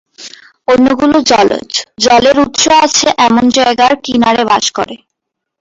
অন্যগুলো জলজ, জলের উৎস আছে এমন জায়গার কিনারে বাস করে।